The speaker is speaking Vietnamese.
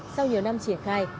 sau nhiều năm triển khai